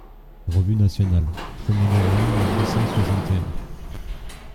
REVUE NATIONALE, premier novembre mille huit cent soixante et un.